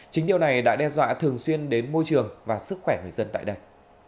chính điều này đã đe dọa thường xuyên đến môi trường và sức khỏe người dân tại đây